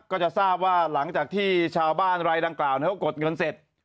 ก็จะทราบว่าหลังจากที่ชาวบ้านรายดังกล่าวเขากดเงินเสร็จ